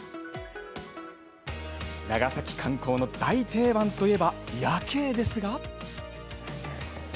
長崎観光の大定番といえば夜景ですが。